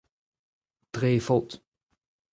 dre he faot.